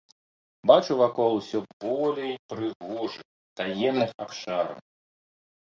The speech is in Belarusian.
Бачыў вакол усё болей прыгожых, таемных абшараў.